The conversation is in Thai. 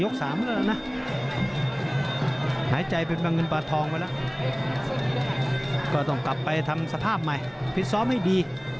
ก็ต้องกลับไปทำสภาพใหม่พริกซ้อมให้ดี